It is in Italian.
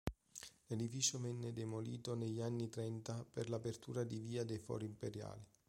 L'edificio venne demolito negli anni trenta per l'apertura di via dei Fori Imperiali.